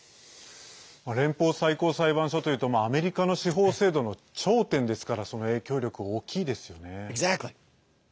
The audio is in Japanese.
連邦最高裁判所というとアメリカの司法制度の頂点ですからその影響力大きいですよね。